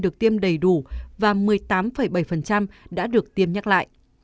năm mươi chín được tiêm đầy đủ và một mươi tám bảy đã được tiêm nhắc lại